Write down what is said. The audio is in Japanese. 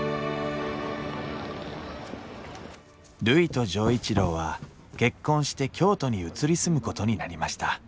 るいと錠一郎は結婚して京都に移り住むことになりました